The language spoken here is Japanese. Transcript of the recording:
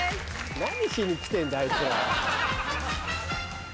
何しに来てんだあいつら。